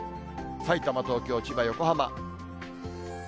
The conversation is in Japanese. さいたま、東京、千葉、横浜。